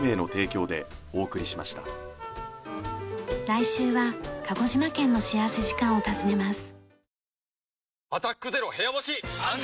来週は鹿児島県の幸福時間を訪ねます。